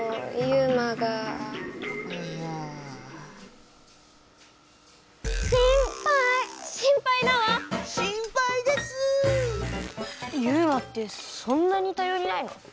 ユウマってそんなにたよりないの？